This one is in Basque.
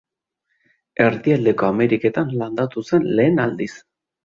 Erdialdeko Ameriketan landatu zen lehen aldiz.